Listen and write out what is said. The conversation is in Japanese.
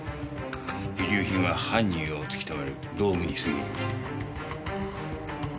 遺留品は犯人を突きとめる道具にすぎん。